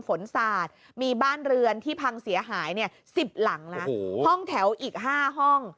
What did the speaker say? สาดมีบ้านเรือนที่พังเสียหาย๑๐หลังนะห้องแถวอีก๕ห้อง